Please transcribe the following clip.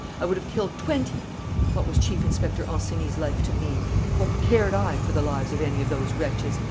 I would have killed twenty! What was Chief Inspector Ancenis's life to me? What cared I for the lives of any of those wretches?